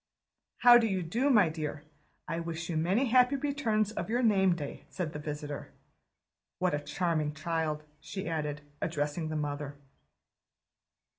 "How do you do, my dear? I wish you many happy returns of your name day," said the visitor. "What a charming child," she added, addressing the mother.